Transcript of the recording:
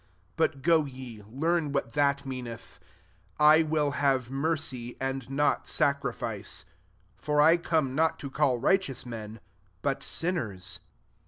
15 But go ye, learn what that meaneth, ' I will have mer cy and not sacrifice :' for I come not to call righteous wen, but sinners."